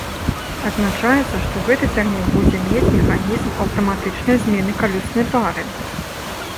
Адзначаецца, што гэты цягнік будзе мець механізм аўтаматычнай змены калёснай пары.